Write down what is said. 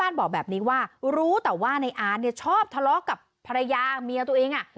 อาร์ทบอกแบบนี้ว่ารู้แต่ว่านายอาร์ทชอบทะเลาะกับภรรยาเมียตัวเอง